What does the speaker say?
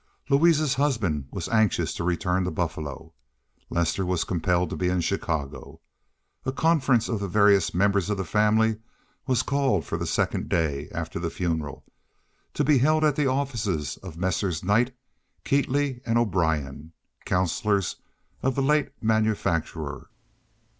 Louise's husband was anxious to return to Buffalo; Lester was compelled to be in Chicago. A conference of the various members of the family was called for the second day after the funeral, to be held at the offices of Messrs. Knight, Keatley & O'Brien, counselors of the late manufacturer.